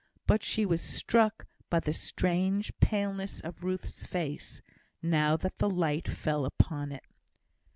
But she was struck by the strange paleness of Ruth's face, now that the light fell upon it.